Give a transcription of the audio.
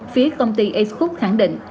phía công ty ac cook khẳng định